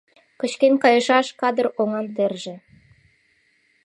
Кычкен кайышаш кадыр оҥан терже